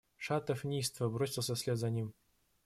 Шатов неистово бросился вслед за ним.